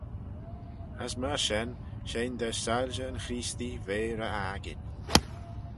As myr shen shegin da soilshey yn Chreestee ve ry akin.